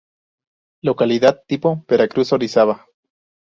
Localidad tipo: Veracruz: Orizaba.